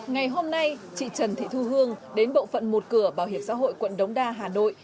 ngày hôm nay chị trần thị thu hương đến bộ phận một cửa bảo hiểm xã hội quận đống đa hà nội